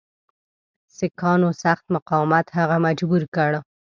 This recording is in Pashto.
سیکهانو سخت مقاومت هغه مجبور کړ.